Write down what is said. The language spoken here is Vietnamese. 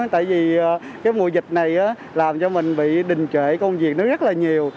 tại vì cái mùa dịch này làm cho mình bị đình trệ công việc nó rất là nhiều